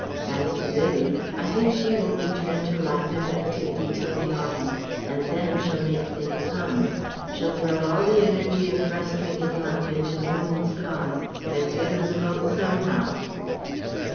As to Vivie, I think she won't return to life and activity till the autumn and then she'll make things hum. She'll throw all the energy of frustrated love into the Woman's Cause, and get 'em the Vote somehow...!"